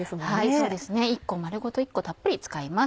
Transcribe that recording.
そうですね丸ごと１個たっぷり使います。